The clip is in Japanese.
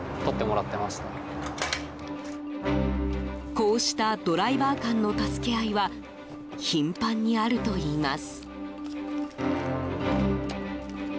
こうしたドライバー間の助け合いは頻繁にあるといいます。